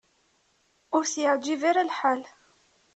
Ur t-yeɛjib ara lḥal.